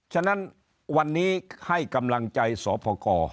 ฉะนั้นวันนี้ให้กำลังใจสพก